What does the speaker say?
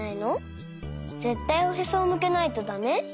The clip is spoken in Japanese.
ぜったいおへそをむけないとだめ？